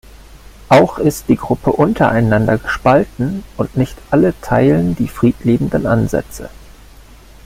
Auch ist die Gruppe untereinander gespalten und nicht alle teilen die friedliebenden Ansätze.